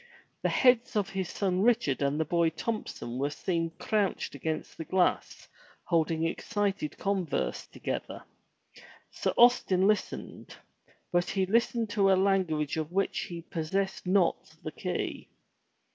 The heads of his son Richard and the boy Thompson were seen crouched against the glass holding excited converse together. Sir Austin listened, but he listened to a language of which he possessed not the key.